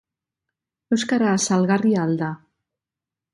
Euskara salgarria al da?